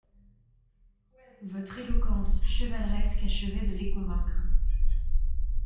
Votre éloquence chevaleresque achevait de les convaincre.